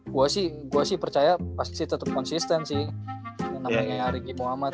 gue sih gue sih percaya pasti tetep konsisten sih yang namanya ari gi muhammad